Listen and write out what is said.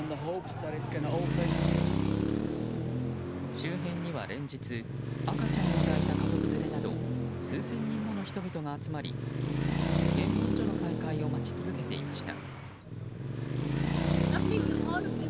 周辺には連日赤ちゃんを抱いた家族連れなど数千人もの人が集まり検問所の再開を待ち続けていました。